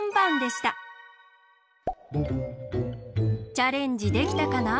チャレンジできたかな？